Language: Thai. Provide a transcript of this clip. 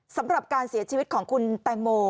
สำหรับการเสียชีวิตของคุณแตงโม